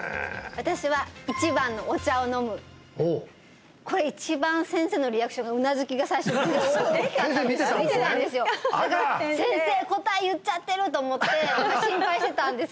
私は１番のお茶を飲むほうこれ一番先生のリアクションがうなずきが先生見てたんですねあら！と思って心配してたんですけど